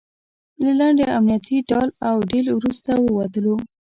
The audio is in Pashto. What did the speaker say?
له لنډ امنیتي ډال او ډیل وروسته ووتلو.